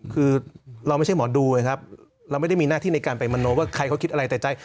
คือเราไม่ใช่หมอดูไงครับเราไม่ได้มีหน้าที่ในการไปมโนว่าใครเขาคิดอะไรแต่ใจ